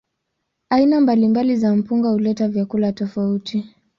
Aina mbalimbali za mpunga huleta vyakula tofauti.